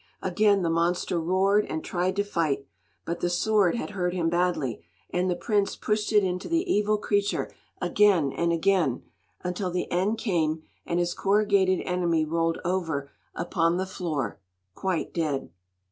Again the monster roared and tried to fight; but the sword had hurt him badly, and the prince pushed it into the evil creature again and again, until the end came, and his corrugated enemy rolled over upon the floor quite dead.